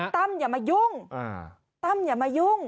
ตั้มอย่ามายุ่งตั้มอย่ามายุ่ง